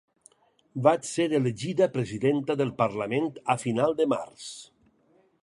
Vaig ser elegida presidenta del parlament a final de març.